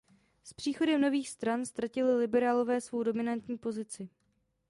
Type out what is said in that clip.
S příchodem nových stran ztratili Liberálové svou dominantní pozici.